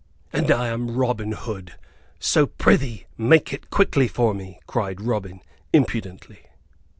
"And I am Robin Hood, so, prithee, make it quickly for me!" cried Robin, imprudently.